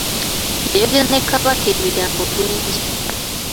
Yayogera ne Kabaka ebigambo bingi.